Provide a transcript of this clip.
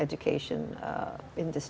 juga para pengajar pendidikan